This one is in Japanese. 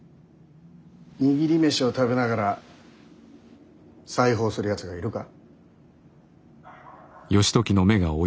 握り飯を食べながら裁縫をするやつがいるか。